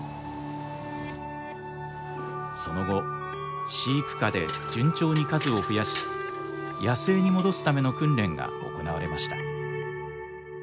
その後飼育下で順調に数を増やし野生に戻すための訓練が行われました。